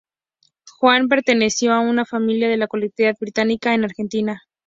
Juan perteneció a una familia de la colectividad británica en Argentina.